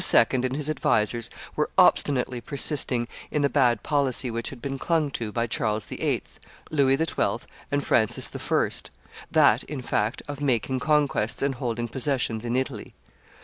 and his advisers were obstinately persisting in the bad policy which had been clung to by Charles VIII., Louis XII., and Francis I., that, in fact, of making conquests and holding possessions in Italy.